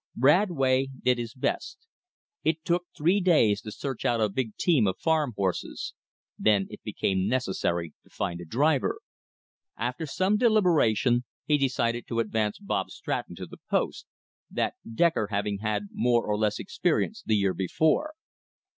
Radway did his best. He took three days to search out a big team of farm horses. Then it became necessary to find a driver. After some deliberation he decided to advance Bob Stratton to the post, that "decker" having had more or less experience the year before.